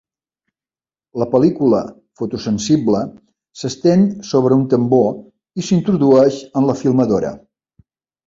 La pel·lícula fotosensible s'estén sobre un tambor i s'introdueix en la filmadora.